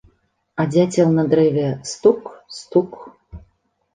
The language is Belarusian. А дзяцел на дрэве стук-стук.